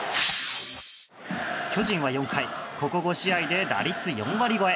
巨人は４回ここ５試合で打率４割超え。